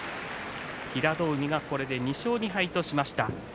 平戸海がこれで２勝２敗としました。